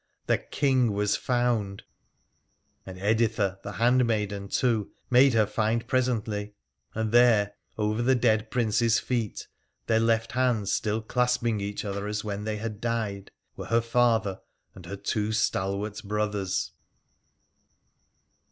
The King was found ! And Editha the handmaiden, too, mado her find presently, for there, over the dead Prince's feet, their left hands still clasping each as when they had died, were her father and her two stalwart brothers.